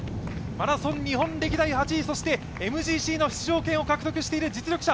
マラソン日本歴代８位、そしてＭＧＣの出場権を獲得している実力者。